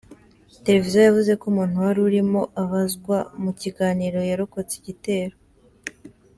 Televiziyo yavuze ko umuntu wari urimo abazwa mu kiganiro yarokotse igitero.